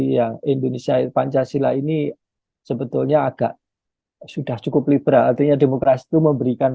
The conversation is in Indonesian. yang indonesia pancasila ini sebetulnya agak sudah cukup liberal artinya demokrasi itu memberikan